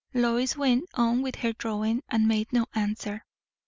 Lois went on with her drawing, and made no answer.